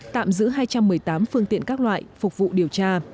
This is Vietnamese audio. tạm giữ hai trăm một mươi tám phương tiện các loại phục vụ điều tra